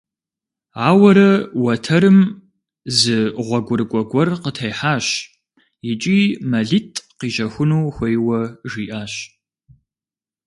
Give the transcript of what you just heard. Ауэрэ уэтэрым зы гъуэгурыкӀуэ гуэр къытехьащ икӀи мэлитӀ къищэхуну хуейуэ жиӀащ.